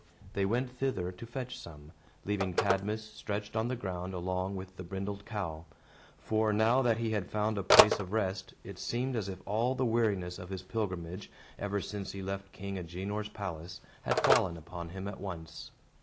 They went thither to fetch some, leaving Cadmus stretched on the ground along with the brindled cow; for, now that he had found a place of rest, it seemed as if all the weariness of his pilgrimage, ever since he left King Agenor's palace, had fallen upon him at once.